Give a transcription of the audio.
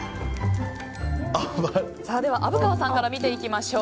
では虻川さんから見ていきましょう。